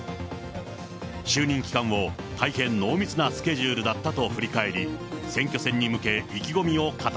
就任期間を、大変濃密なスケジュールだったと振り返り、選挙戦に向け、意気込